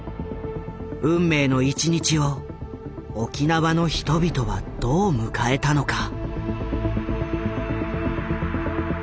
運命の１日を沖縄の人々はどう迎えたのか。